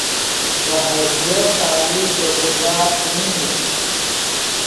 بہ حیثیت ثالث تو کردار څیمین ای